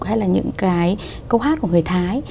hay là những cái câu hát của người thái